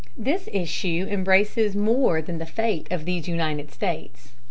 This issue embraces more than the fate of these United States.